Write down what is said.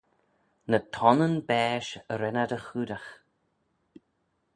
Ny tonnyn baaish ren ad y choodagh.